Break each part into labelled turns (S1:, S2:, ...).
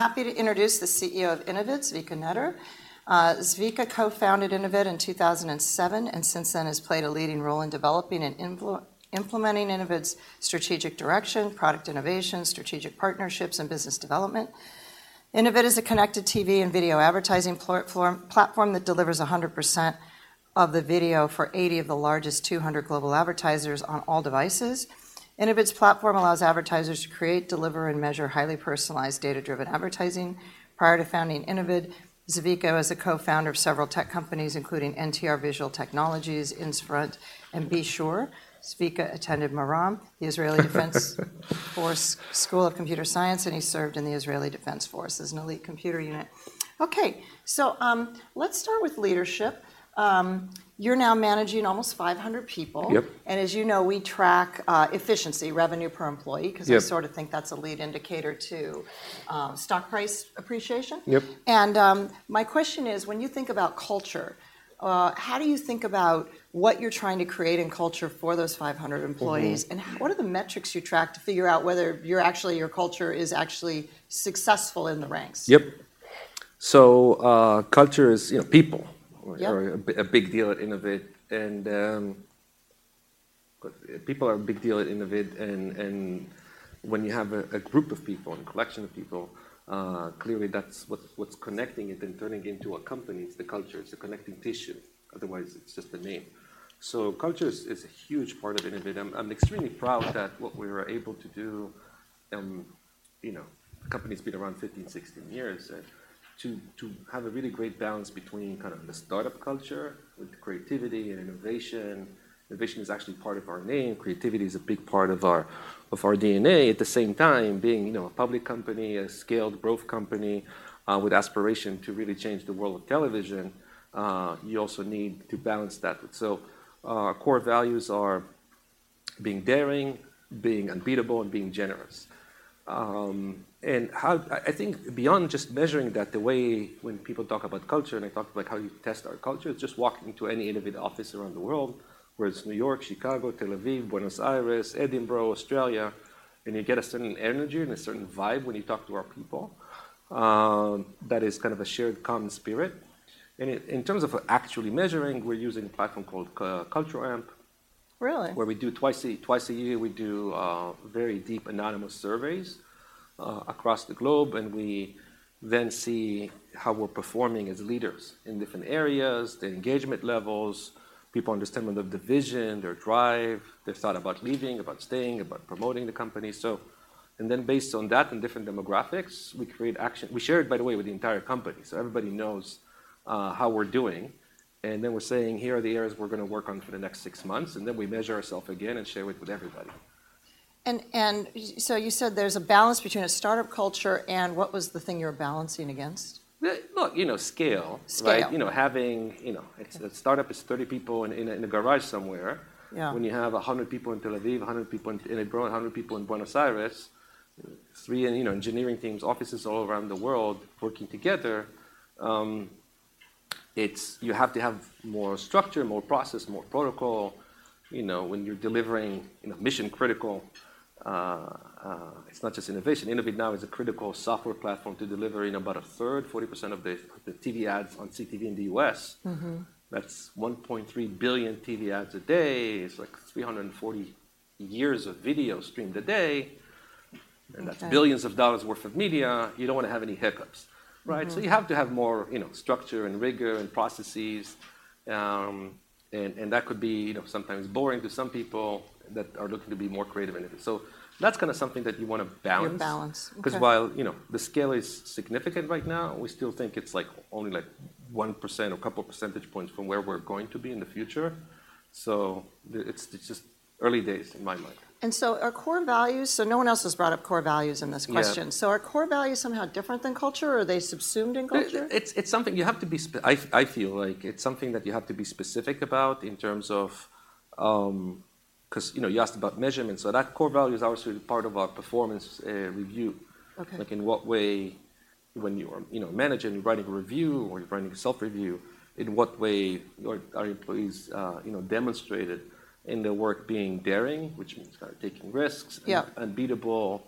S1: Happy to introduce the CEO of Innovid, Zvika Netter. Zvika co-founded Innovid in 2007, and since then has played a leading role in developing and implementing Innovid's strategic direction, product innovation, strategic partnerships, and business development. Innovid is a connected TV and video advertising platform that delivers 100% of the video for 80 of the largest 200 global advertisers on all devices. Innovid's platform allows advertisers to create, deliver, and measure highly personalized, data-driven advertising. Prior to founding Innovid, Zvika was a co-founder of several tech companies, including NTR Visual Technologies, EnsFront, and B-Sure. Zvika attended Mamram, the Israeli Defense Forces School of Computer Science, and he served in the Israeli Defense Forces as an elite computer unit. Okay, so, let's start with leadership. You're now managing almost 500 people.
S2: Yep.
S1: And as you know, we track efficiency, revenue per employee-
S2: Yep.
S1: 'cause we sort of think that's a lead indicator to stock price appreciation.
S2: Yep.
S1: My question is, when you think about culture, how do you think about what you're trying to create in culture for those 500 employees? What are the metrics you track to figure out whether you're actually, your culture is actually successful in the ranks?
S2: Yep. So, culture is, you know, people-
S1: Yep
S2: are a big deal at Innovid, and people are a big deal at Innovid, and when you have a group of people and collection of people, clearly, that's what's connecting it and turning into a company. It's the culture. It's the connective tissue. Otherwise, it's just a name. So culture is a huge part of Innovid. I'm extremely proud that what we were able to do, you know, the company's been around 15, 16 years, and to have a really great balance between kind of the startup culture with creativity and innovation. Innovation is actually part of our name. Creativity is a big part of our DNA. At the same time, being, you know, a public company, a scaled growth company, with aspiration to really change the world of television, you also need to balance that. So, core values are being daring, being unbeatable, and being generous. I think beyond just measuring that, the way when people talk about culture, and I talk about how you test our culture, it's just walking into any Innovid office around the world, whether it's New York, Chicago, Tel Aviv, Buenos Aires, Edinburgh, Australia, and you get a certain energy and a certain vibe when you talk to our people, that is kind of a shared, common spirit. And in terms of actually measuring, we're using a platform called Culture Amp-
S1: Really?
S2: Where we do twice a year, we do very deep, anonymous surveys across the globe, and we then see how we're performing as leaders in different areas, the engagement levels, people understanding of the vision, their drive. They've thought about leaving, about staying, about promoting the company. And then, based on that and different demographics, we create action. We share it, by the way, with the entire company, so everybody knows how we're doing, and then we're saying: Here are the areas we're gonna work on for the next six months, and then we measure ourselves again and share it with everybody.
S1: And so you said there's a balance between a startup culture and what was the thing you were balancing against?
S2: Look, you know, scale, right?
S1: Scale.
S2: You know, having you know it's a startup is 30 people in a garage somewhere. When you have 100 people in Tel Aviv, 100 people in Edinburgh, 100 people in Buenos Aires, three, you know, engineering teams, offices all around the world working together, it's you have to have more structure, more process, more protocol, you know, when you're delivering, you know, mission-critical. It's not just innovation. Innovid now is a critical software platform to delivering about a third, 40% of the TV ads on CTV in the U.S. That's 1.3 billion TV ads a day. It's, like, 340 years of video streamed a day and that's billions of dollars' worth of media. You don't wanna have any hiccups, right? So you have to have more, you know, structure and rigor and processes, and that could be, you know, sometimes boring to some people that are looking to be more creative in it. So that's kinda something that you wanna balance.
S1: You balance.
S2: 'Cause while, you know, the scale is significant right now, we still think it's, like, only, like, 1% or a couple percentage points from where we're going to be in the future. So, it's just early days in my mind.
S1: And so our core values... No one else has brought up core values in this question.
S2: Yeah.
S1: Are core values somehow different than culture, or are they subsumed in culture?
S2: It's something you have to be specific about in terms of, 'cause, you know, you asked about measurements, so that core value is obviously part of our performance review.
S1: Okay.
S2: Like, in what way, when you are, you know, managing, you're writing a review or you're writing a self-review, in what way your, our employees, you know, demonstrated in their work being daring, which means kind of taking risks unbeatable,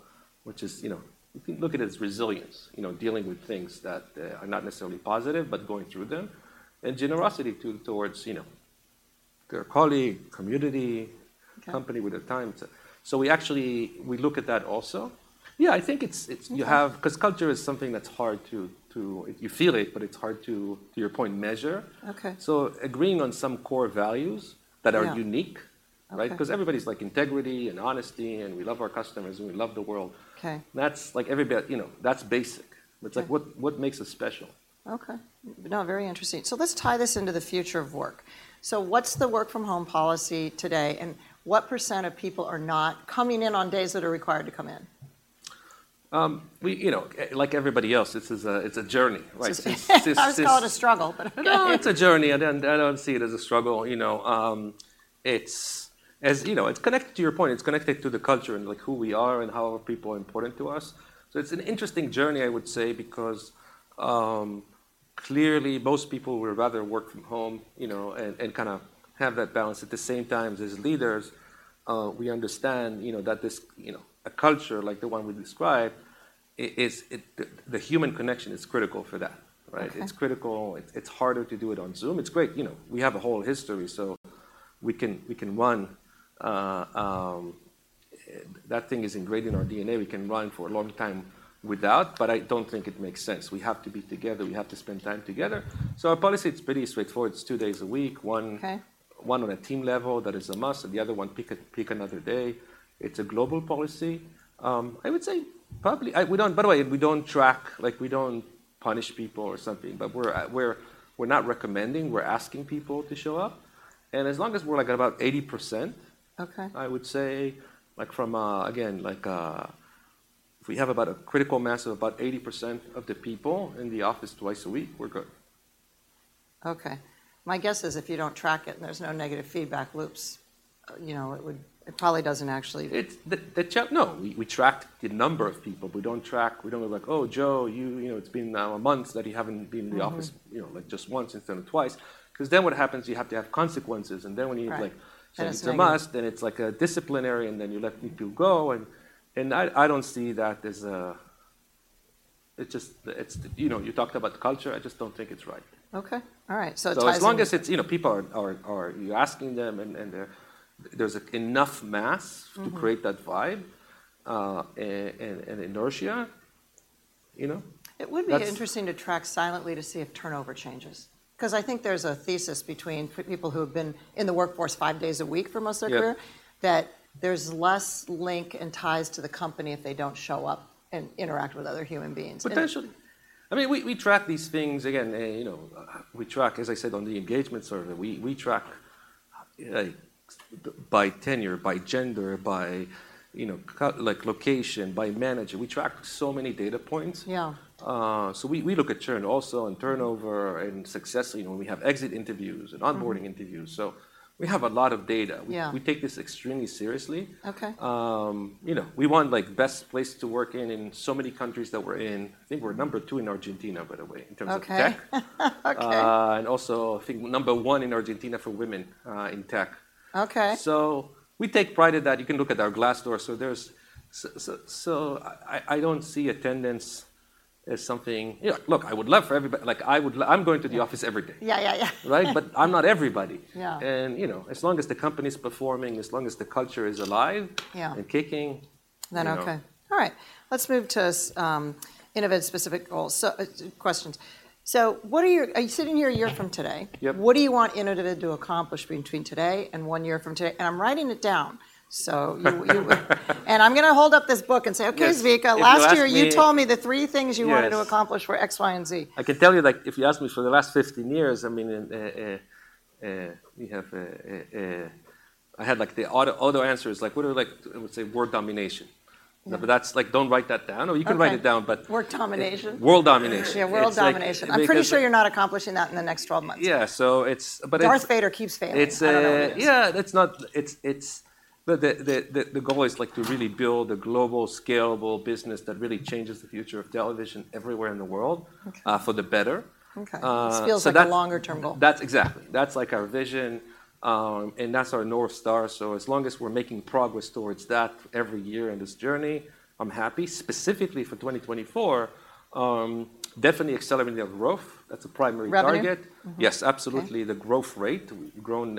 S2: which is, you know, you can look at it as resilience, you know, dealing with things that are not necessarily positive, but going through them, and generosity towards, you know, their colleague, community company with the time. So we actually, we look at that also. Yeah, I think it's, you have, 'cause culture is something that's hard to. You feel it, but it's hard to your point, measure.
S1: Okay.
S2: Agreeing on some core values that are unique, right?
S1: Okay.
S2: 'Cause everybody's like: Integrity and honesty, and we love our customers, and we love the world.
S1: Okay.
S2: That's like everybody, you know, that's basic. But, like, what, what makes us special?
S1: Okay. No, very interesting. So let's tie this into the future of work. So what's the work-from-home policy today, and what percent of people are not coming in on days that are required to come in?
S2: We, you know, like everybody else, this is a, it's a journey, right?
S1: I would call it a struggle, but-
S2: No, it's a journey, and then I don't see it as a struggle, you know. It's... You know, it's connected to your point, it's connected to the culture and, like, who we are and how our people are important to us. So it's an interesting journey, I would say, because clearly, most people would rather work from home, you know, and kind of have that balance. At the same time, as leaders, we understand, you know, that this, you know, a culture like the one we described, is the human connection is critical for that, right? It's critical. It's, it's harder to do it on Zoom. It's great, you know, we have a whole history, so we can, we can run, that thing is ingrained in our DNA. We can run for a long time without, but I don't think it makes sense. We have to be together. We have to spend time together. So our policy, it's pretty straightforward. It's two days a week.
S1: Okay.
S2: One-on-one on a team level, that is a must, and the other one, pick another day. It's a global policy. I would say, probably. By the way, we don't track, like, we don't punish people or something, but we're not recommending, we're asking people to show up. And as long as we're, like, at about 80%-
S1: Okay.
S2: I would say, like, if we have about a critical mass of about 80% of the people in the office twice a week, we're good.
S1: Okay. My guess is if you don't track it, and there's no negative feedback loops, you know, it probably doesn't actually-
S2: It's the. No, we, we track the number of people. We don't track. We don't go like: "Oh, Joe, you, you know, it's been now a month that you haven't been in the office you know, like, just once instead of twice." 'Cause then what happens, you have to have consequences, and then when you have like-
S1: Right. Understand.
S2: It's a must, then it's like a disciplinary, and then you let people go, and I don't see that as a... It's just, you know, you talked about the culture. I just don't think it's right.
S1: Okay. All right. So it ties in-
S2: So as long as it's, you know, people are you're asking them, and there's enough mass to create that vibe, and inertia, you know? That's-
S1: It would be interesting to track silently to see if turnover changes. 'Cause I think there's a thesis between people who have been in the workforce five days a week for most of their career that there's less link and ties to the company if they don't show up and interact with other human beings. And-
S2: Potentially. I mean, we, we track these things. Again, you know, we track, as I said, on the engagement survey, we, we track, like, by tenure, by gender, by, you know, like, location, by manager. We track so many data points.
S1: Yeah.
S2: So we look at churn also, and turnover, and success, you know, we have exit interview and onboarding interviews, so we have a lot of data.
S1: Yeah.
S2: We take this extremely seriously.
S1: Okay.
S2: You know, we want, like, best places to work in so many countries that we're in. I think we're number two in Argentina, by the way, in terms of tech.
S1: Okay.
S2: And also, I think, number one in Argentina for women in tech.
S1: Okay.
S2: So we take pride in that. You can look at our Glassdoor, so there's... So, I don't see attendance as something... Yeah, look, I would love for, like, I would. I'm going to the office every day.
S1: Yeah, yeah, yeah.
S2: Right? But I'm not everybody.
S1: Yeah.
S2: You know, as long as the company's performing, as long as the culture is alive, and kicking, you know.
S1: Okay. All right. Let's move to Innovid-specific goals. So, questions. So, what are your— Are you sitting here a year from today?
S2: Yep.
S1: What do you want Innovid to accomplish between today and one year from today? And I'm writing it down, so you. And I'm gonna hold up this book and say: "Okay, Zvika-
S2: Yes, if you ask me-
S1: Last year, you told me the three things you wanted-
S2: Yes
S1: to accomplish were X, Y, and Z.
S2: I can tell you, like, if you ask me for the last 15 years, I mean, we have, I had, like, the auto answer is, like, what are, like, I would say, world domination. But that's, like, don't write that down or you can write it down, but-
S1: World domination?
S2: World domination.
S1: Yeah, world domination.
S2: It's like, because-
S1: I'm pretty sure you're not accomplishing that in the next 12 months.
S2: Yeah, so it's...
S1: Darth Vader keeps failing.
S2: It's,
S1: I don't know who it is.
S2: Yeah, that's not, it's... But the goal is, like, to really build a global, scalable business that really changes the future of television everywhere in the world for the better.
S1: Okay.
S2: So that-
S1: This feels like a longer-term goal.
S2: That's exactly. That's, like, our vision, and that's our North Star, so as long as we're making progress towards that every year in this journey, I'm happy. Specifically for 2024, definitely accelerating the growth, that's a primary target.
S1: Revenue?
S2: Yes, absolutely.
S1: Okay.
S2: The growth rate. We've grown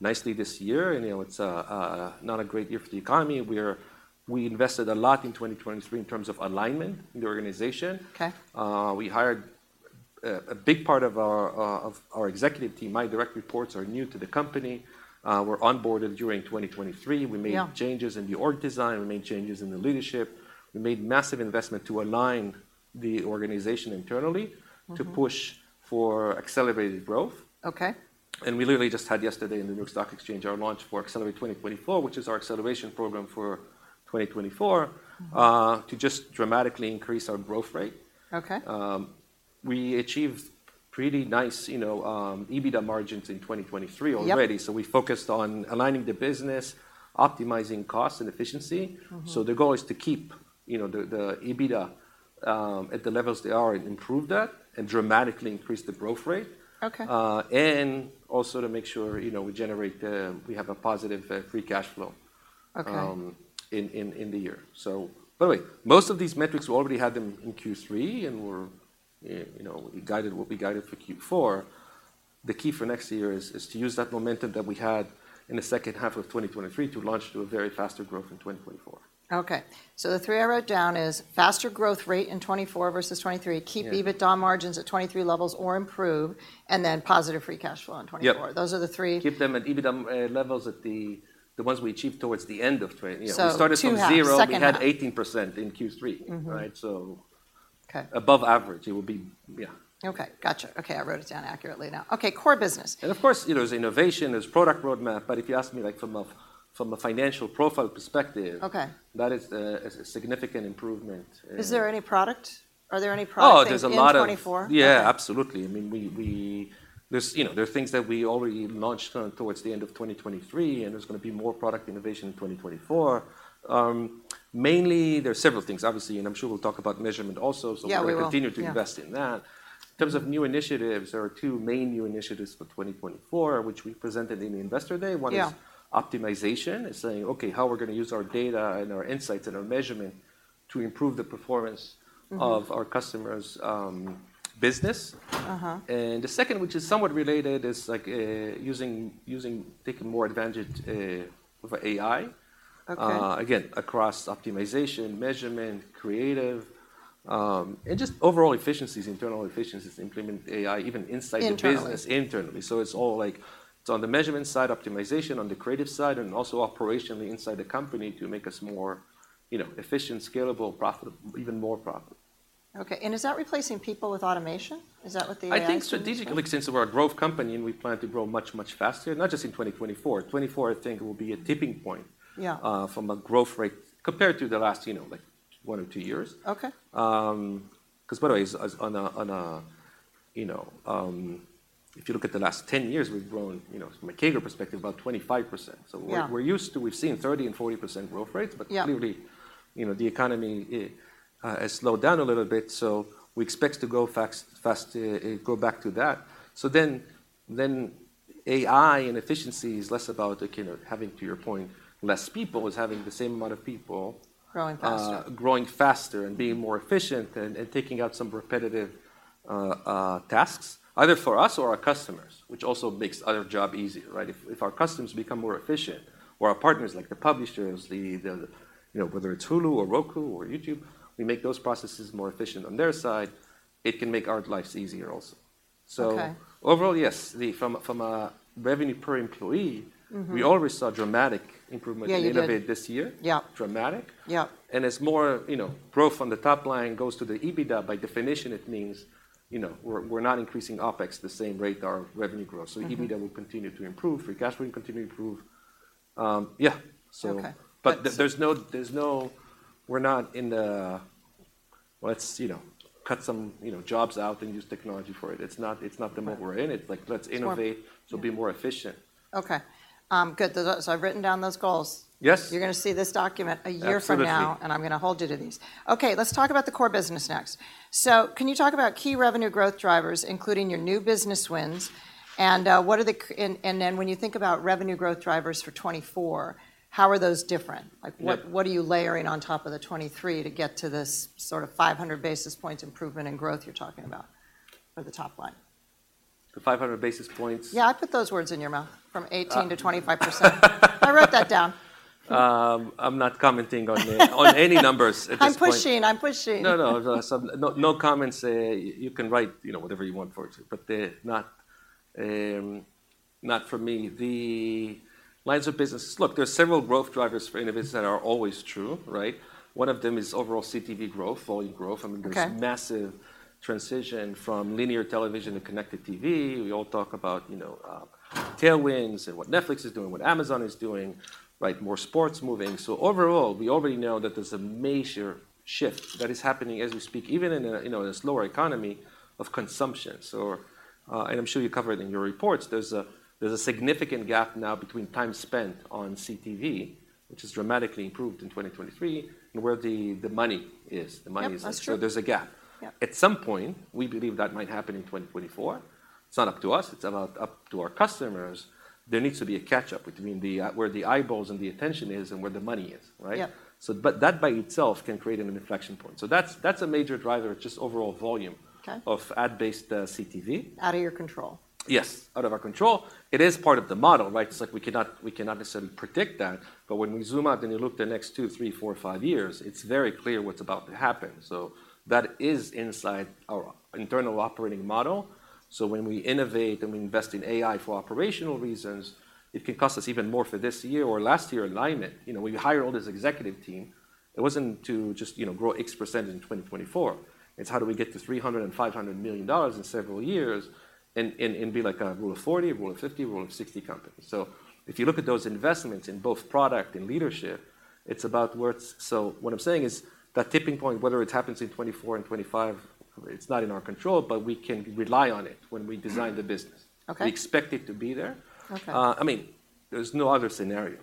S2: nicely this year, and, you know, it's a not a great year for the economy. We invested a lot in 2023 in terms of alignment in the organization.
S1: Okay.
S2: We hired a big part of our executive team. My direct reports are new to the company, were onboarded during 2023. We made changes in the org design, we made changes in the leadership. We made massive investment to align the organization internally to push for accelerated growth.
S1: Okay.
S2: We literally just had yesterday in the New York Stock Exchange, our launch for Accelerate 2024, which is our acceleration program for 2024 to just dramatically increase our growth rate.
S1: Okay.
S2: We achieved pretty nice, you know, EBITDA margins in 2023 already.
S1: Yep.
S2: We focused on aligning the business, optimizing costs and efficiency. The goal is to keep, you know, the EBITDA at the levels they are and improve that, and dramatically increase the growth rate.
S1: Okay.
S2: And also to make sure, you know, we generate, we have a positive free cash flow-
S1: Okay...
S2: in the year. So by the way, most of these metrics, we already had them in Q3, and we're, you know, we'll be guided for Q4. The key for next year is to use that momentum that we had in the second half of 2023 to launch to a very faster growth in 2024.
S1: Okay. So the three I wrote down is: faster growth rate in 2024 versus 2023 keep EBITDA margins at 23 levels or improve, and then positive free cash flow in 2024.
S2: Yep.
S1: Those are the three.
S2: Keep them at EBITDA levels at the ones we achieved towards the end of twenty, you know-
S1: Two halves.
S2: We started from zero-
S1: Second half.
S2: We had 18% in Q3. Right? So-
S1: Okay...
S2: above average, it will be... Yeah.
S1: Okay, gotcha. Okay, I wrote it down accurately now. Okay, core business.
S2: Of course, you know, there's innovation, there's product roadmap, but if you ask me, like, from a financial profile perspective-
S1: Okay.
S2: that is a significant improvement.
S1: Is there any product? Are there any products-
S2: Oh, there's a lot of-
S1: -in 2024?
S2: Yeah, absolutely. I mean, there's, you know, there are things that we already launched on towards the end of 2023, and there's gonna be more product innovation in 2024. Mainly, there are several things, obviously, and I'm sure we'll talk about measurement also.
S1: Yeah, we will.
S2: We'll continue to invest in that. In terms of new initiatives, there are two main new initiatives for 2024, which we presented in Investor Day. One is optimization. It's saying, "Okay, how we're gonna use our data and our insights and our measurement to improve the performance of our customers' business. The second, which is somewhat related, is like taking more advantage of AI.
S1: Okay.
S2: Again, across optimization, measurement, creative, and just overall efficiencies, internal efficiencies, implement AI, even inside the business-
S1: Internally.
S2: internally. So it's all like... So on the measurement side, optimization, on the creative side, and also operationally inside the company to make us more, you know, efficient, scalable, profitable, even more profitable.
S1: Okay. And is that replacing people with automation? Is that what the AI is-
S2: I think strategically, since we're a growth company, and we plan to grow much, much faster, not just in 2024. 2024, I think, will be a tipping point from a growth rate compared to the last, you know, like one or two years.
S1: Okay.
S2: 'Cause by the way, you know, if you look at the last 10 years, we've grown, you know, from a CAGR perspective, about 25%. So we're used to. We've seen 30% and 40% growth rates. But clearly, you know, the economy, it has slowed down a little bit, so we expect to grow fast, fast, go back to that. So then AI and efficiency is less about, like, you know, having, to your point, less people. It's having the same amount of people-
S1: Growing faster.
S2: Growing faster and being more efficient and, and taking out some repetitive tasks, either for us or our customers, which also makes other job easier, right? If, if our customers become more efficient, or our partners, like the publishers, the, the, you know, whether it's Hulu or Roku or YouTube, we make those processes more efficient on their side, it can make our lives easier also.
S1: Okay.
S2: So overall, yes, from a revenue per employee. We already saw dramatic improvement.
S1: Yeah, you did.
S2: when we innovate this year. Dramatic. It's more, you know, growth on the top line goes to the EBITDA. By definition, it means, you know, we're not increasing OpEx the same rate our revenue grows. So EBITDA will continue to improve. Free cash flow will continue to improve. Yeah, so, but there's no, we're not in the, "Let's, you know, cut some, you know, jobs out and use technology for it." It's not the mode we're in.
S1: Sure.
S2: It's like: Let's innovate, so be more efficient.
S1: Okay. Good. So I've written down those goals.
S2: Yes.
S1: You're gonna see this document a year from now.
S2: Absolutely.
S1: I'm gonna hold you to these. Okay, let's talk about the core business next. So can you talk about key revenue growth drivers, including your new business wins, and then when you think about revenue growth drivers for 2024, how are those different? Like, what, what are you layering on top of the 23 to get to this sort of 500 basis points improvement and growth you're talking about for the top line?
S2: The 500 basis points?
S1: Yeah, I put those words in your mouth, from 18%-25%. I wrote that down.
S2: I'm not commenting on any numbers at this point.
S1: I'm pushing. I'm pushing.
S2: No, no, so no, no comments. You can write, you know, whatever you want for it, but they're not not for me. The lines of business... Look, there are several growth drivers for Innovid that are always true, right? One of them is overall CTV growth, volume growth.
S1: Okay.
S2: I mean, there's massive transition from linear television to connected TV. We all talk about, you know, tailwinds and what Netflix is doing, what Amazon is doing, right? More sports moving. So overall, we already know that there's a major shift that is happening as we speak, even in a, you know, a slower economy of consumption. So, and I'm sure you cover it in your reports, there's a significant gap now between time spent on CTV, which has dramatically improved in 2023, and where the money is. The money is-
S1: Yep, that's true.
S2: There's a gap. At some point, we believe that might happen in 2024. It's not up to us. It's about up to our customers. There needs to be a catch-up between the, where the eyeballs and the attention is and where the money is, right? So, but that by itself can create an inflection point. So that's, that's a major driver, just overall volume of ad-based, CTV.
S1: Out of your control.
S2: Yes, out of our control. It is part of the model, right? It's like we cannot, we cannot necessarily predict that, but when we zoom out and you look the next two, three, four, five years, it's very clear what's about to happen. So that is inside our internal operating model. So when we innovate and we invest in AI for operational reasons, it can cost us even more for this year or last year alignment. You know, when you hire all this executive team, it wasn't to just, you know, grow X percent in 2024. It's how do we get to $300 million and $500 million in several years and, and, and be like a Rule of 40, Rule of 50, Rule of 60 company. If you look at those investments in both product and leadership, it's about worth. So what I'm saying is, that tipping point, whether it happens in 2024 and 2025, it's not in our control, but we can rely on it when we design the business.
S1: Okay.
S2: We expect it to be there.
S1: Okay.
S2: I mean, there's no other scenario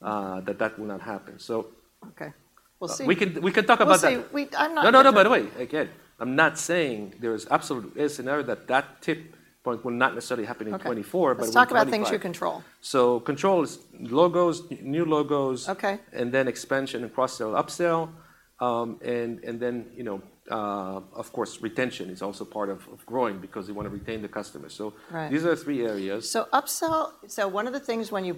S2: that will not happen, so...
S1: Okay. We'll see.
S2: We can, we can talk about that.
S1: We'll see. I'm not-
S2: No, no, no. By the way, again, I'm not saying there is absolute... a scenario that that tipping point will not necessarily happen in 2024-
S1: Okay...
S2: but in 2025.
S1: Let's talk about things you control.
S2: So control is logos, new logos-
S1: Okay...
S2: and then expansion and cross-sell, upsell, and then, you know, of course, retention is also part of growing because we want to retain the customer.
S1: Right.
S2: These are the three areas.
S1: One of the things, when you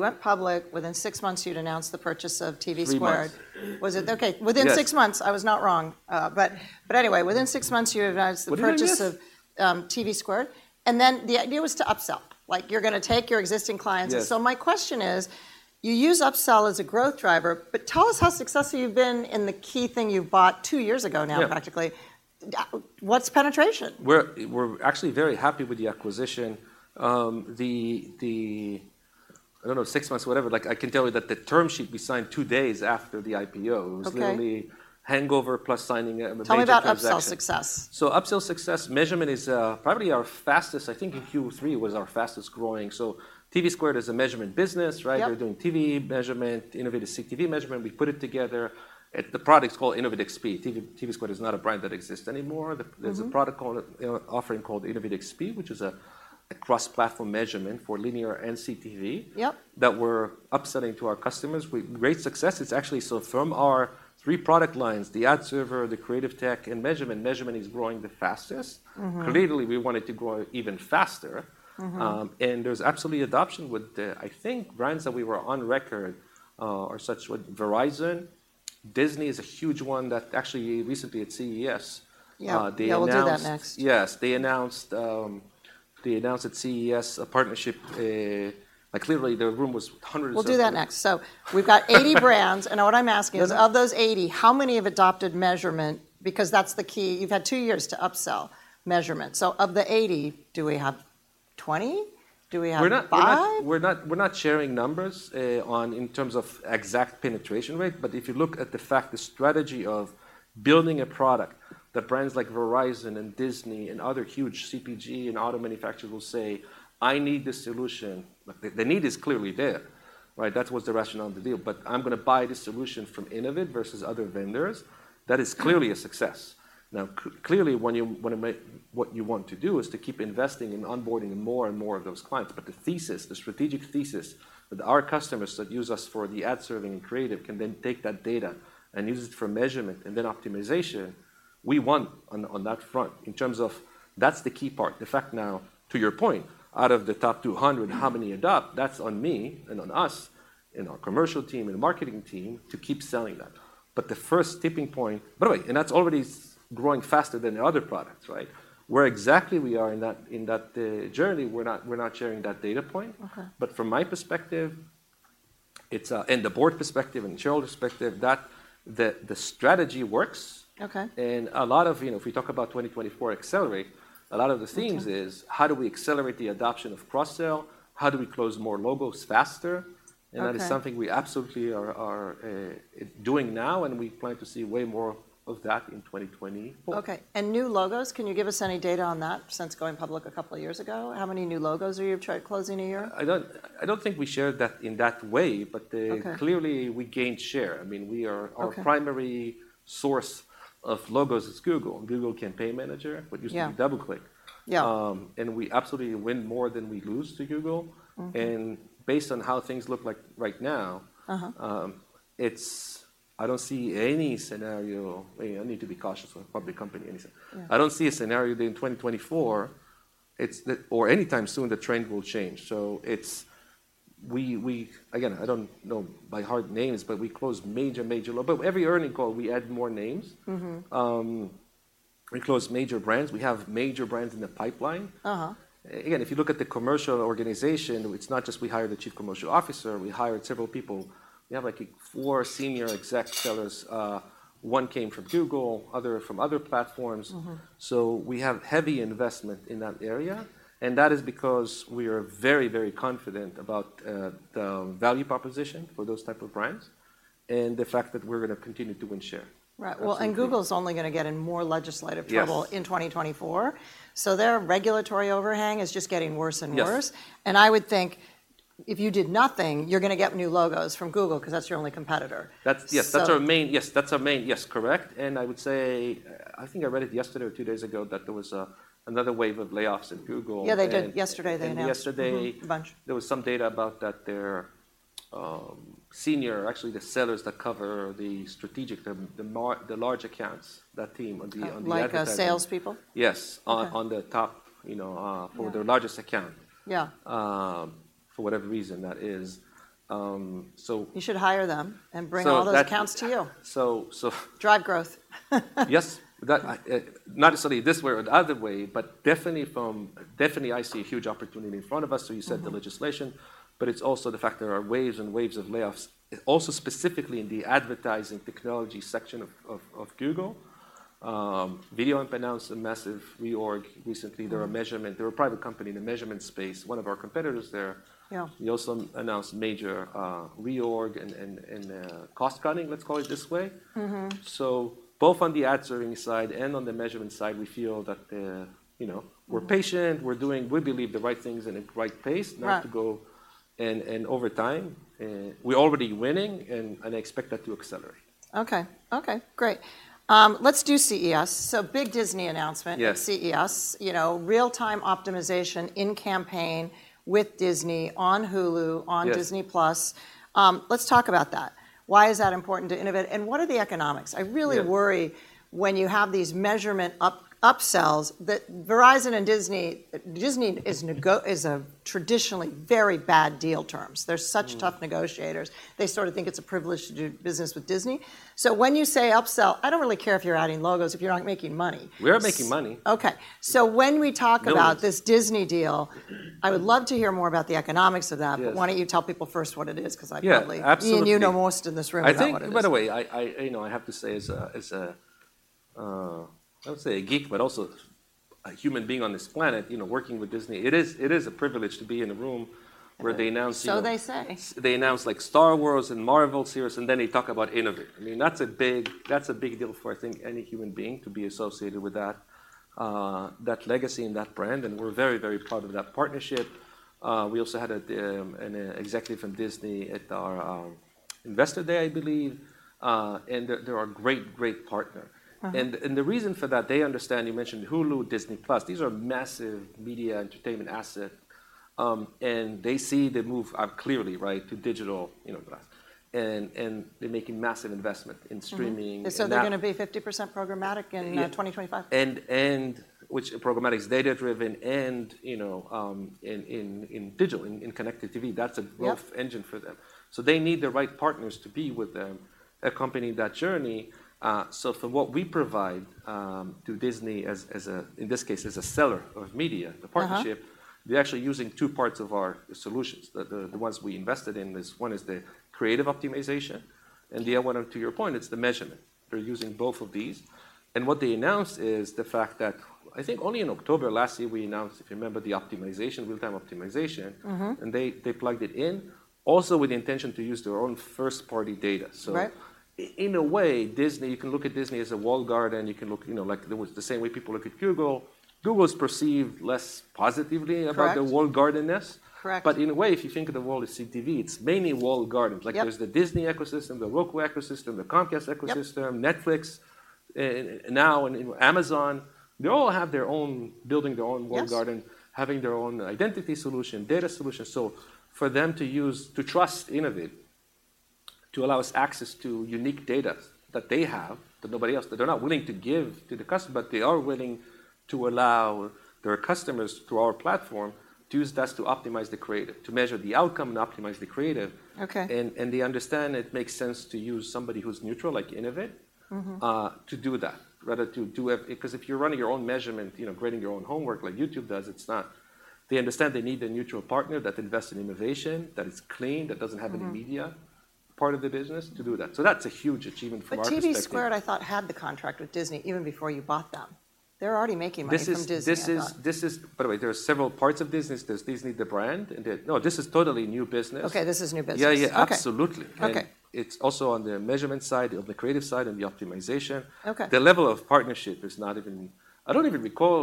S1: went public, within six months, you'd announced the purchase of TVSquared.
S2: Three months.
S1: Was it? Okay.
S2: Yes.
S1: Within six months, I was not wrong. But anyway, within six months, you announced the purchase-
S2: What did I miss?...
S1: of TVSquared, and then the idea was to upsell. Like, you're gonna take your existing clients.
S2: Yes.
S1: My question is: You use upsell as a growth driver, but tell us how successful you've been in the key thing you bought two years ago now-
S2: Yeah
S1: Yeah, what's penetration?
S2: We're actually very happy with the acquisition. I don't know, six months, whatever, like, I can tell you that the term sheet we signed two days after the IPO-
S1: Okay.
S2: It was literally hangover plus signing a major transaction.
S1: Tell me about upsell success?
S2: So, upsell success measurement is probably our fastest growing. I think in Q3 was our fastest growing. So, TVSquared is a measurement business, right?
S1: Yep.
S2: We're doing TV measurement, Innovid CTV measurement. We put it together. The product is called Innovid XP. TV, TVSquared is not a brand that exists anymore. There's a product called offering called Innovid XP, which is a cross-platform measurement for linear and CTV-
S1: Yep...
S2: that we're upselling to our customers with great success. It's actually, so from our three product lines, the Ad Server, the creative tech, and measurement, measurement is growing the fastest. Clearly, we want it to grow even faster. And there's absolutely adoption with the... I think brands that we were on record are such with Verizon. Disney is a huge one that actually recently at CES, they announced-
S1: Yeah, we'll do that next.
S2: Yes. They announced, they announced at CES a partnership, like, clearly, the room was hundreds of-
S1: We'll do that next. So we've got 80 brands, and what I'm asking is of those 80, how many have adopted measurement? Because that's the key. You've had two years to upsell measurement. So of the 80, do we have 20? Do we have five?
S2: We're not sharing numbers on in terms of exact penetration rate, but if you look at the fact, the strategy of building a product that brands like Verizon and Disney and other huge CPG and auto manufacturers will say, "I need this solution," the need is clearly there, right? That was the rationale of the deal. "But I'm gonna buy this solution from Innovid versus other vendors," that is clearly a success. Now, clearly, when you what you want to do is to keep investing in onboarding more and more of those clients. But the thesis, the strategic thesis, that our customers that use us for the ad serving and creative can then take that data and use it for measurement and then optimization, we won on that front in terms of that's the key part. The fact now, to your point, out of the top 200, how many adopt? That's on me and on us and our commercial team and marketing team to keep selling that. But the first tipping point. By the way, and that's already growing faster than the other products, right? Where exactly we are in that, in that journey, we're not, we're not sharing that data point. But from my perspective, it's and the board perspective and shareholder perspective that the strategy works.
S1: Okay.
S2: A lot of, you know, if we talk about 2024 Accelerate, a lot of the themes is how do we accelerate the adoption of cross-sell? How do we close more logos faster?
S1: Okay.
S2: That is something we absolutely are doing now, and we plan to see way more of that in 2024.
S1: Okay. New logos, can you give us any data on that since going public a couple of years ago? How many new logos are you trying to close a year?
S2: I don't, I don't think we shared that in that way, but clearly, we gained share. I mean, we are our primary source of logos is Google, Google Campaign Manager, what used to be DoubleClick. We absolutely win more than we lose to Google. Based on how things look like right now it's. I don't see any scenario. I need to be cautious with a public company, anything. I don't see a scenario that in 2024, it's that or anytime soon, the trend will change. So it's we again, I don't know by heart names, but we closed major, major logo. But every earnings call, we add more names. We close major brands. We have major brands in the pipeline. Again, if you look at the commercial organization, it's not just we hired a Chief Commercial Officer, we hired several people. We have, like, four senior exec sellers. One came from Google, other from other platforms. So we have heavy investment in that area, and that is because we are very, very confident about the value proposition for those type of brands and the fact that we're gonna continue to win share.
S1: Right.
S2: Absolutely.
S1: Well, and Google's only gonna get in more legislative trouble in 2024, so their regulatory overhang is just getting worse and worse.
S2: Yes.
S1: I would think if you did nothing, you're gonna get new logos from Google 'cause that's your only competitor.
S2: That's. That's our main. Yes, that's our main. Yes, correct. And I would say, I think I read it yesterday or two days ago, that there was another wave of layoffs at Google.
S1: Yeah, they did. Yesterday, they announced-
S2: And yesterday-
S1: a bunch...
S2: there was some data about that their senior, actually, the sellers that cover the strategic, the large accounts, that team on the, on the advertising-
S1: Like the salespeople?
S2: Yes.
S1: Okay.
S2: On the top, you know, for their largest account. For whatever reason that is.
S1: You should hire them-
S2: So that-
S1: And bring all those accounts to you.
S2: So, so-
S1: Drive growth.
S2: Yes, that, not necessarily this way or the other way, but definitely, I see a huge opportunity in front of us. So you said the legislation, but it's also the fact there are waves and waves of layoffs, also specifically in the advertising technology section of Google. VideoAmp announced a massive reorg recently. They're a private company in the measurement space, one of our competitors there. We also announced major reorg and cost cutting, let's call it this way. Both on the ad serving side and on the measurement side, we feel that, you know we're patient, we're doing, we believe, the right things in the right pace not to go, and over time, we're already winning, and I expect that to accelerate.
S1: Okay. Okay, great. Let's do CES. So big Disney announcement-
S2: Yes...
S1: at CES. You know, real-time optimization in campaign with Disney on Hulu-
S2: Yes...
S1: on Disney+. Let's talk about that. Why is that important to Innovid, and what are the economics? I really worry when you have these measurement upsells that Verizon and Disney. Disney is a traditionally very bad deal terms. They're such tough negotiators. They sort of think it's a privilege to do business with Disney. So when you say upsell, I don't really care if you're adding logos, if you're not making money.
S2: We are making money.
S1: Okay. So when we talk about-
S2: Millions...
S1: this Disney deal, I would love to hear more about the economics of that.
S2: Yes.
S1: Why don't you tell people first what it is? 'Cause I probably-
S2: Yeah, absolutely.
S1: You, you know most in this room about what it is.
S2: I think, by the way, you know, I have to say, as a geek, but also a human being on this planet, you know, working with Disney, it is a privilege to be in a room where they announce-
S1: So they say.
S2: They announce, like, Star Wars and Marvel series, and then they talk about Innovid. I mean, that's a big, that's a big deal for, I think, any human being to be associated with that, that legacy and that brand, and we're very, very proud of that partnership. We also had a, an executive from Disney at our, Investor Day, I believe. And they- they're a great, great partner. And the reason for that, they understand, you mentioned Hulu, Disney Plus, these are massive media entertainment asset. And they see the move, clearly, right, to digital, you know, platform. And they're making massive investment in streaming. And app-
S1: So they're gonna be 50% programmatic in 2025?
S2: And which programmatic is data-driven and, you know, in digital, in connected TV, that's a growth engine for them. So they need the right partners to be with them, accompany that journey. So from what we provide, to Disney as, as a, in this case, as a seller of media the partnership, they're actually using two parts of our solutions. The ones we invested in this, one is the creative optimization, and the other one, to your point, it's the measurement. They're using both of these, and what they announced is the fact that... I think only in October last year, we announced, if you remember, the optimization, real-time optimization. They plugged it in, also with the intention to use their own first-party data, so-
S1: Right ...
S2: in a way, Disney, you can look at Disney as a walled garden, you can look, you know, like the same way people look at Google. Google is perceived less positively.
S1: Correct...
S2: about the walled gardenness.
S1: Correct.
S2: In a way, if you think of the world as CTV, it's mainly walled gardens.
S1: Yep.
S2: Like, there's the Disney ecosystem, the Roku ecosystem, the Comcast ecosystem-
S1: Yep...
S2: Netflix, now, and, you know, Amazon. They all have their own, building their own walled garden-
S1: Yes...
S2: having their own identity solution, data solution. So for them to use, to trust Innovid, to allow us access to unique data that they have, that nobody else, that they're not willing to give to the customer, but they are willing to allow their customers, through our platform, to use that to optimize the creative, to measure the outcome and optimize the creative.
S1: Okay.
S2: And they understand it makes sense to use somebody who's neutral, like Innovid. To do that, rather to do it. Because if you're running your own measurement, you know, grading your own homework, like YouTube does, it's not. They understand they need a neutral partner that invest in innovation, that is clean, that doesn't have any media part of the business to do that. So that's a huge achievement from our perspective.
S1: But TVSquared, I thought, had the contract with Disney even before you bought them. They're already making money from Disney, I thought.
S2: This is... By the way, there are several parts of business. There's Disney, the brand, and then... No, this is totally new business.
S1: Okay, this is new business.
S2: Yeah, yeah.
S1: Okay.
S2: Absolutely.
S1: Okay.
S2: It's also on the measurement side, of the creative side, and the optimization.
S1: Okay.
S2: The level of partnership is not even. I don't even recall.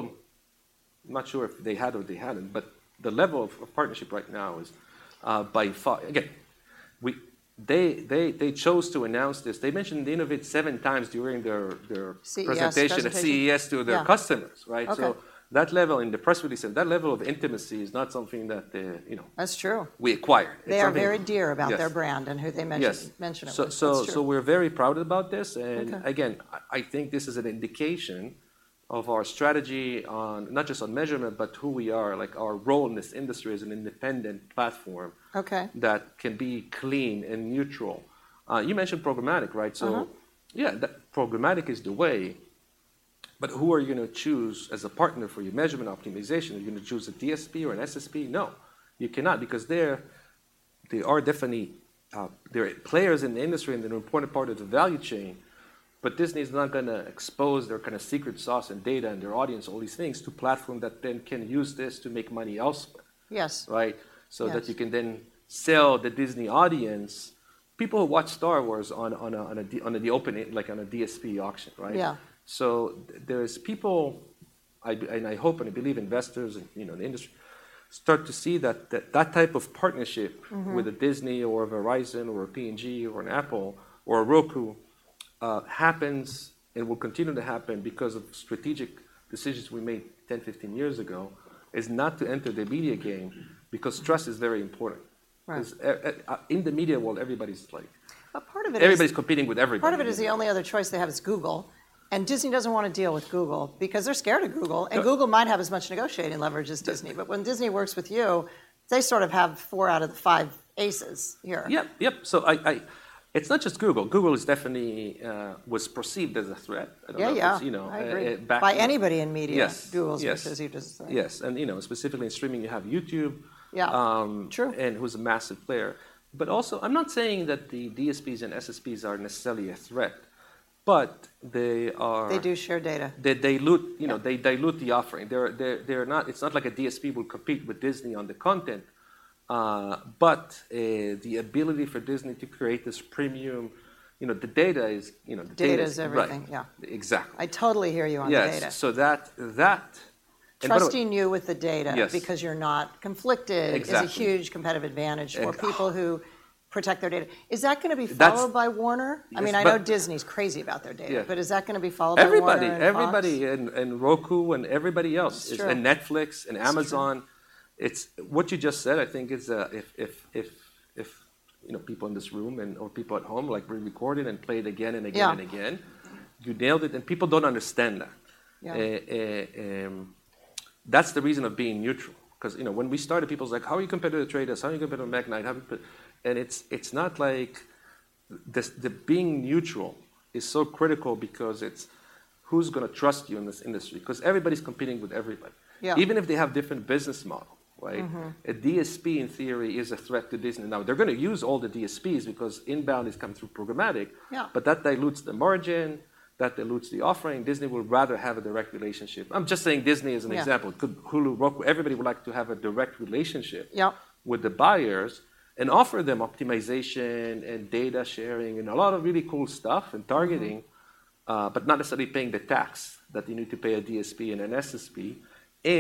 S2: I'm not sure if they had or they hadn't, but the level of partnership right now is by far. Again, we, they chose to announce this. They mentioned Innovid seven times during their, their-
S1: CES presentation...
S2: presentation at CES to their customers.
S1: Yeah.
S2: Right?
S1: Okay.
S2: So that level, in the press release, and that level of intimacy is not something that, you know-
S1: That's true...
S2: we acquire. It's something-
S1: They are very dear about-
S2: Yes...
S1: their brand and who they mention-
S2: Yes...
S1: mention of it. That's true.
S2: So, we're very proud about this.
S1: Okay.
S2: And again, I think this is an indication of our strategy on, not just on measurement, but who we are, like, our role in this industry as an independent platform.
S1: Okay...
S2: that can be clean and neutral. You mentioned programmatic, right? That programmatic is the way, but who are you gonna choose as a partner for your measurement optimization? Are you gonna choose a DSP or an SSP? No, you cannot, because they're, they are definitely, they're players in the industry, and they're an important part of the value chain, but Disney is not gonna expose their kind of secret sauce and data and their audience, all these things, to platform that then can use this to make money elsewhere.
S1: Yes.
S2: Right?
S1: Yes.
S2: So that you can then sell the Disney audience. People watch Star Wars on the opening, like, on a DSP auction, right?
S1: Yeah.
S2: So there's people, and I hope and I believe investors and, you know, the industry start to see that type of partnership with a Disney or a Verizon or a P&G or an Apple or a Roku happens and will continue to happen because of strategic decisions we made 10, 15 years ago, is not to enter the media game, because trust is very important.
S1: Right.
S2: 'Cause, in the media world, everybody's like-
S1: But part of it is-
S2: Everybody's competing with everybody.
S1: Part of it is the only other choice they have is Google, and Disney doesn't wanna deal with Google because they're scared of Google. Google might have as much negotiating leverage as Disney. When Disney works with you, they sort of have four out of the five aces here.
S2: Yep, yep. So I... It's not just Google. Google is definitely was perceived as a threat, at least-
S1: Yeah, yeah...
S2: you know,
S1: I agree. By anybody in media-
S2: Yes...
S1: Google is perceived as a threat.
S2: Yes, and you know, specifically in streaming, you have YouTube.
S1: Yeah. True...
S2: and who's a massive player. But also, I'm not saying that the DSPs and SSPs are necessarily a threat, but they are-
S1: They do share data.
S2: They dilute, you know they dilute the offering. They're not. It's not like a DSP will compete with Disney on the content, but the ability for Disney to create this premium, you know, the data is, you know, the data-
S1: Data is everything.
S2: Right.
S1: Yeah.
S2: Exactly.
S1: I totally hear you on the data.
S2: Yes, so that,
S1: Trusting you with the data-
S2: Yes...
S1: because you're not conflicted-
S2: Exactly...
S1: is a huge competitive advantage-
S2: Exactly...
S1: for people who protect their data. Is that gonna be followed-
S2: That's-...
S1: by Warner?
S2: Yes, but-
S1: I mean, I know Disney's crazy about their data.
S2: Yeah.
S1: Is that gonna be followed by Warner and Fox?
S2: Everybody and Roku and everybody else.
S1: Sure.
S2: Netflix and Amazon.
S1: That's true.
S2: It's what you just said, I think, is, if, you know, people in this room and, or people at home, like, re-record it and play it again and again and again you nailed it, and people don't understand that. That's the reason of being neutral, 'cause, you know, when we started, people were like: "How are you competitive to The Trade Desk? How are you competitive to Magnite? And it's not like, the being neutral is so critical because it's, who's gonna trust you in this industry? 'Cause everybody's competing with everybody.
S1: Yeah.
S2: Even if they have different business model, a DSP in theory is a threat to Disney. Now, they're gonna use all the DSPs because inbound is coming through programmatic. But that dilutes the margin, that dilutes the offering. Disney would rather have a direct relationship. I'm just saying Disney as an example.
S1: Yeah.
S2: Could Hulu, Roku, everybody would like to have a direct relationship-
S1: Yep
S2: with the buyers and offer them optimization and data sharing, and a lot of really cool stuff and targeting but not necessarily paying the tax that you need to pay a DSP and an SSP,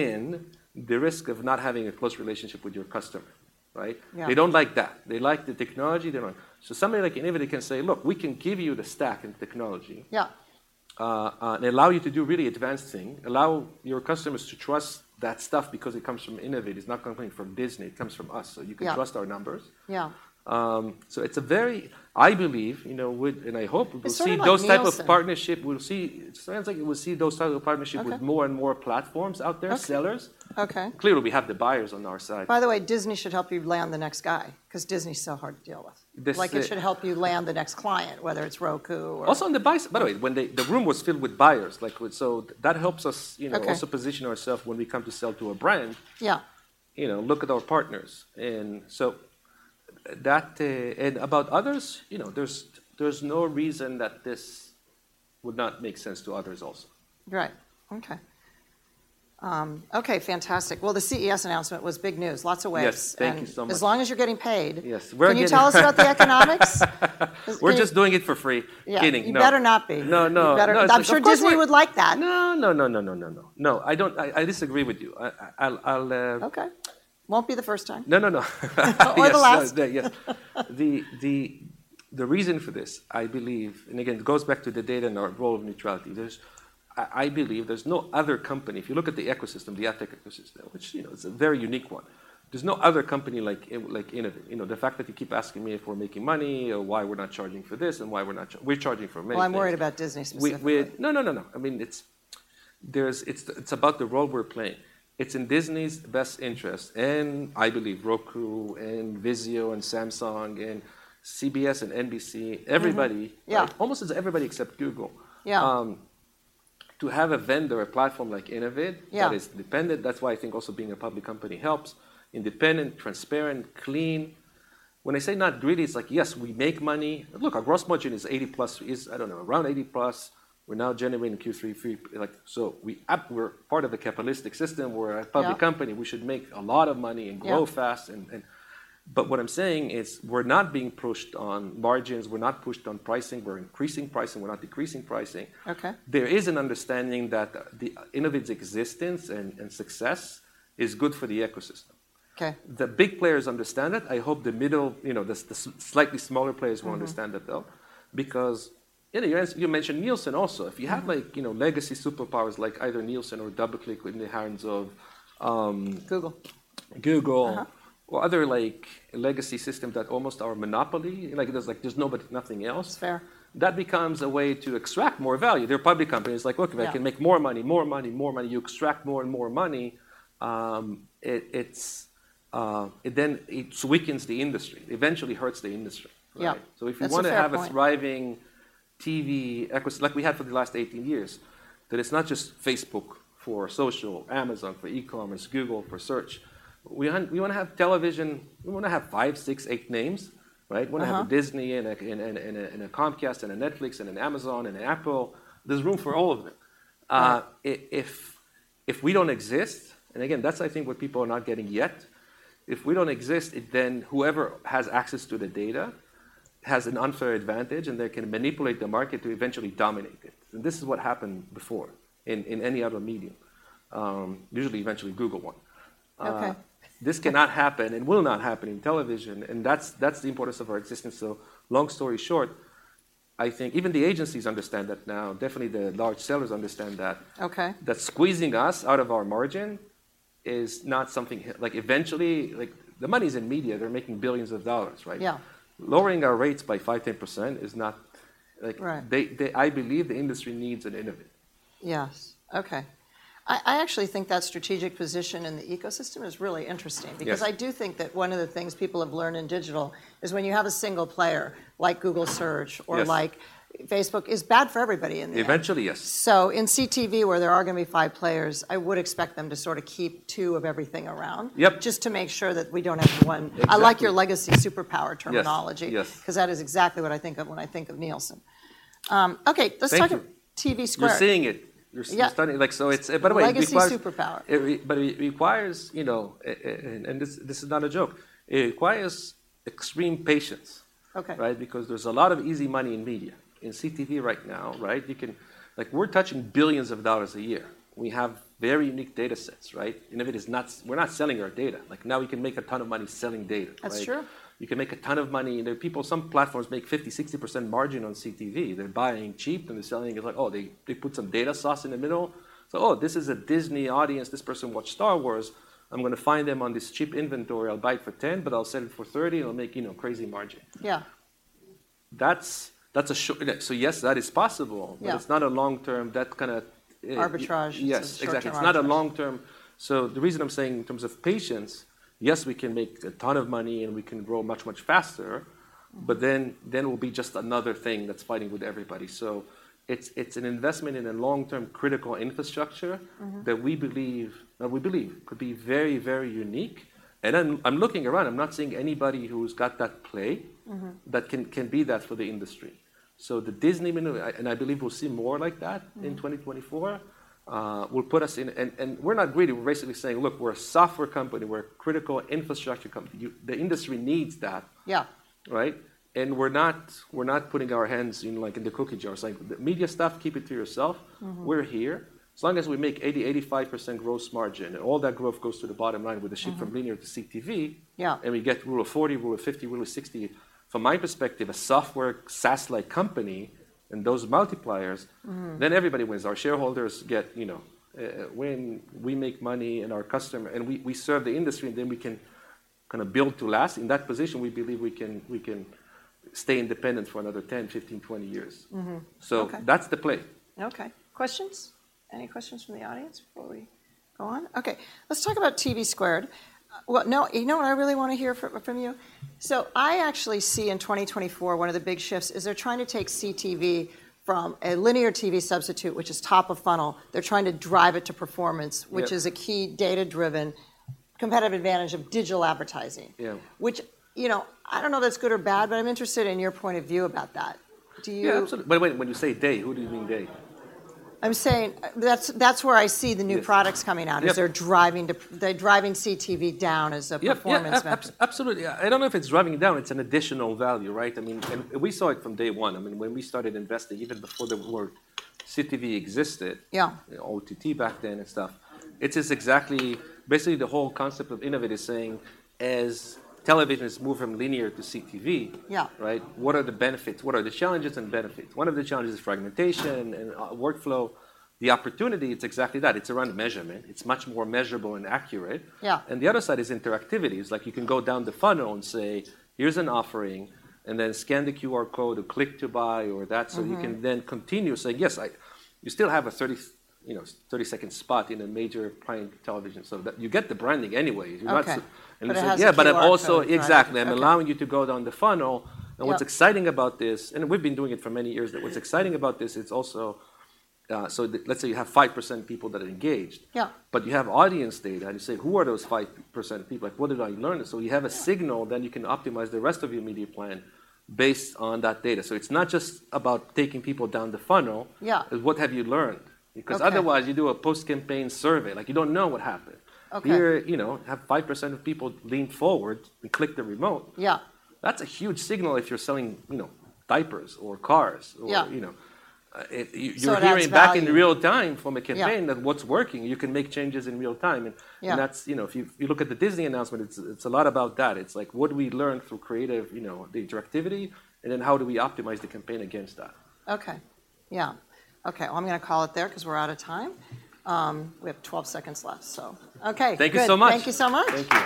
S2: and the risk of not having a close relationship with your customer, right?
S1: Yeah.
S2: They don't like that. They like the technology they want. So somebody like Innovid can say: Look, we can give you the stack and technology.
S1: Yeah.
S2: and allow you to do really advanced thing, allow your customers to trust that stuff because it comes from Innovid. It's not coming from Disney, it comes from us so you can trust our numbers.
S1: Yeah.
S2: So it's a very, I believe, you know, with and I hope we will see.
S1: It's sort of like Nielsen.
S2: sounds like we'll see those type of partnership.
S1: Okay...
S2: with more and more platforms out there, sellers.
S1: Okay.
S2: Clearly, we have the buyers on our side.
S1: By the way, Disney should help you land the next guy, 'cause Disney's so hard to deal with.
S2: This-
S1: Like they should help you land the next client, whether it's Roku or-
S2: Also, on the buys, by the way, the room was filled with buyers, like with, so that helps us, you know.
S1: Okay...
S2: also position ourselves when we come to sell to a brand.
S1: Yeah.
S2: You know, look at our partners. And so that and about others, you know, there's no reason that this would not make sense to others also.
S1: Right. Okay. Okay, fantastic. Well, the CES announcement was big news, lots of ways.
S2: Yes, thank you so much.
S1: As long as you're getting paid.
S2: Yes, we're getting-
S1: Can you tell us about the economics?
S2: We're just doing it for free.
S1: Yeah.
S2: Kidding, no.
S1: You better not be.
S2: No, no.
S1: You better not.
S2: Of course we-
S1: I'm sure Disney would like that.
S2: No, no, no, no, no, no, no. No, I don't... I disagree with you. I'll,
S1: Okay. Won't be the first time.
S2: No, no, no.
S1: Or the last.
S2: Yes, yes. The reason for this, I believe, and again, it goes back to the data and our role of neutrality. I believe there's no other company, if you look at the ecosystem, the ad tech ecosystem, which, you know, is a very unique one, there's no other company like Innovid. You know, the fact that you keep asking me if we're making money, or why we're not charging for this, and why we're not charging—we're charging for many things.
S1: Well, I'm worried about Disney specifically.
S2: No, no, no, no. I mean, it's, there's, it's, it's about the role we're playing. It's in Disney's best interest, and I believe Roku, and Vizio, and Samsung, and CBS, and NBC everybody.
S1: Yeah.
S2: Almost as everybody except Google.
S1: Yeah.
S2: To have a vendor, a platform like Innovid that is independent, that's why I think also being a public company helps. Independent, transparent, clean. When I say not greedy, it's like, yes, we make money. Look, our gross margin is 80%+, I don't know, around 80%+. We're now generating Q3 free cash flow, like, so we're part of the capitalistic system.
S1: Yeah.
S2: We're a public company. We should make a lot of money and grow but what I'm saying is, we're not being pushed on margins, we're not pushed on pricing. We're increasing pricing, we're not decreasing pricing.
S1: Okay.
S2: There is an understanding that the Innovid's existence and success is good for the ecosystem.
S1: Okay.
S2: The big players understand it. I hope the middle, you know, the slightly smaller players will understand it, though. Because, you asked, you mentioned Nielsen also. If you have, like, you know, legacy superpowers, like either Nielsen or DoubleClick in the hands of,
S1: Google
S2: Google or other, like, legacy systems that almost are a monopoly, like, there's nobody, nothing else.
S1: Fair.
S2: That becomes a way to extract more value. They're public companies, like: "Look-
S1: Yeah...
S2: I can make more money, more money, more money." You extract more and more money. It then weakens the industry. Eventually, hurts the industry.
S1: Yeah.
S2: So if you want to have-
S1: That's a fair point....
S2: a thriving TV ecosystem, like we had for the last 18 years, that it's not just Facebook for social, Amazon for e-commerce, Google for search. We want, we want to have television, we want to have five, six, eight names, right? We want to have a Disney, and a Comcast, and a Netflix, and an Amazon, and an Apple. There's room for all of them.
S1: Yeah.
S2: If we don't exist, and again, that's I think what people are not getting yet, if we don't exist, then whoever has access to the data has an unfair advantage, and they can manipulate the market to eventually dominate it. And this is what happened before in any other medium. Usually, eventually, Google won.
S1: Okay.
S2: This cannot happen and will not happen in television, and that's, that's the importance of our existence. So long story short, I think even the agencies understand that now, definitely the large sellers understand that-
S1: Okay...
S2: that squeezing us out of our margin is not something... Like, eventually, like, the money's in media, they're making billions of dollars, right?
S1: Yeah.
S2: Lowering our rates by 5%-10% is not, like-
S1: Right.
S2: I believe the industry needs an Innovid.
S1: Yes. Okay. I actually think that strategic position in the ecosystem is really interesting-
S2: Yes...
S1: because I do think that one of the things people have learned in digital is when you have a single player, like Google Search-
S2: Yes...
S1: or like Facebook, is bad for everybody in the end.
S2: Eventually, yes.
S1: So in CTV, where there are gonna be five players, I would expect them to sort of keep two of everything around.
S2: Yep.
S1: Just to make sure that we don't have one.
S2: Exactly.
S1: I like your legacy superpower terminology.
S2: Yes, yes.
S1: 'Cause that is exactly what I think of when I think of Nielsen. Okay, let's talk about-
S2: Thank you...
S1: TVSquared.
S2: You're seeing it.
S1: Yeah.
S2: You're starting, like, so it's... By the way, it requires-
S1: Legacy superpower.
S2: But it requires, you know, and this, this is not a joke, it requires extreme patience.
S1: Okay.
S2: Right? Because there's a lot of easy money in media. In CTV right now, right, you can, like, we're touching billions a year. We have very unique data sets, right? Innovid is not, we're not selling our data. Like, now we can make a ton of money selling data, right?
S1: That's true.
S2: You can make a ton of money. You know, people, some platforms make 50%, 60% margin on CTV. They're buying cheap, and they're selling it like, oh, they, they put some data sauce in the middle. So, oh, this is a Disney audience. This person watched Star Wars. I'm gonna find them on this cheap inventory. I'll buy it for $10, but I'll sell it for $30. I'll make, you know, crazy margin.
S1: Yeah.
S2: So yes, that is possible.
S1: Yeah.
S2: But it's not a long-term, that kinda-
S1: Arbitrage.
S2: Yes, exactly.
S1: Short-term arbitrage.
S2: It's not a long-term. So the reason I'm saying in terms of patience, yes, we can make a ton of money, and we can grow much, much faster, but then, then it will be just another thing that's fighting with everybody. So it's, it's an investment in a long-term critical infrastructure. That we believe, that we believe could be very, very unique. And then I'm looking around. I'm not seeing anybody who's got that play that can be that for the industry. So the Disney maneuver, and I believe we'll see more like that in 2024 will put us in. And, and we're not greedy. We're basically saying: "Look, we're a software company. We're a critical infrastructure company." You. The industry needs that.
S1: Yeah.
S2: Right? And we're not, we're not putting our hands in, like, in the cookie jar, saying, "The media stuff, keep it to yourself. We're here." As long as we make 80%-85% gross margin, and all that growth goes to the bottom line with the shift from Linear to CTV-
S1: Yeah
S2: and we get Rule of 40, Rule of 50, Rule of 60, from my perspective, a software SaaS-like company and those multipliers then everybody wins. Our shareholders get, you know, when we make money, and we, we serve the industry, and then we can kind of build to last. In that position, we believe we can, we can stay independent for another 10, 15, 20 years.
S1: Okay.
S2: That's the play.
S1: Okay. Questions? Any questions from the audience before we go on? Okay, let's talk about TVSquared. Now, you know what I really want to hear from, from you? So I actually see in 2024, one of the big shifts is they're trying to take CTV from a Linear TV substitute, which is top of funnel. They're trying to drive it to performance which is a key data-driven competitive advantage of digital advertising.
S2: Yeah.
S1: Which, you know, I don't know if that's good or bad, but I'm interested in your point of view about that. Do you-
S2: Yeah, absolutely. But wait, when you say they, who do you mean they?
S1: I'm saying that's, that's where I see the new-
S2: Yes...
S1: products coming out.
S2: Yep.
S1: They're driving CTV down as a performance metric.
S2: Yep, absolutely. I don't know if it's driving it down, it's an additional value, right? I mean, and we saw it from day one. I mean, when we started investing, even before the word CTV existed OTT back then and stuff, it is exactly. Basically, the whole concept of Innovid is saying, as television is moving from linear to CTV-
S1: Yeah...
S2: right? What are the benefits? What are the challenges and benefits? One of the challenges is fragmentation and workflow. The opportunity, it's exactly that. It's around measurement. It's much more measurable and accurate.
S1: Yeah.
S2: The other side is interactivity. It's like you can go down the funnel and say, "Here's an offering," and then scan the QR code or click to buy or that so you can then continue saying, "Yes, I..." You still have a 30, you know, 30-second spot in a major prime television, so that you get the branding anyway. You're not-
S1: Okay.
S2: And yeah, but I'm also-
S1: But it has the QR code.
S2: Exactly.
S1: Okay.
S2: I'm allowing you to go down the funnel.
S1: Yep.
S2: What's exciting about this, and we've been doing it for many years, but what's exciting about this, it's also... So let's say you have 5% of people that are engaged.
S1: Yeah.
S2: But you have audience data, and you say: "Who are those 5% of people? Like, what did I learn?" So you have a signal then you can optimize the rest of your media plan based on that data. So it's not just about taking people down the funnel it's what have you learned?
S1: Okay.
S2: Because otherwise, you do a post-campaign survey, like you don't know what happened.
S1: Okay.
S2: Here, you know, have 5% of people lean forward and click the remote.
S1: Yeah.
S2: That's a huge signal if you're selling, you know, diapers or cars or you know,
S1: That's value....
S2: you're hearing back in real time from a campaign that what's working, you can make changes in real time, and and that's, you know, if you look at the Disney announcement, it's a lot about that. It's like, what do we learn through creative, you know, the interactivity, and then how do we optimize the campaign against that?
S1: Okay. Yeah. Okay, well, I'm going to call it there because we're out of time. We have 12 seconds left, so okay.
S2: Thank you so much.
S1: Good. Thank you so much.
S2: Thank you.